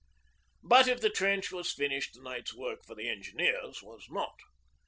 But, if the trench was finished, the night's work for the Engineers was not.